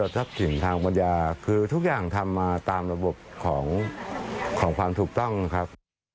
ดรรทรัพย์ถึงทางประเยาะคือทุกอย่างทำมาตามระบบของของความถูกต้องครับ